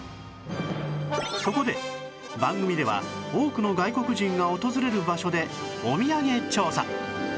そこで番組では多くの外国人が訪れる場所でお土産調査